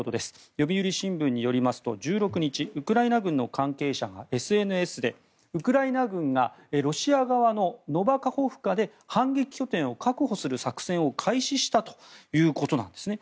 読売新聞によりますと１６日ウクライナ軍の関係者がＳＮＳでウクライナ軍がロシア側のノバカホフカで反撃拠点を確保する作戦を開始したということなんですね。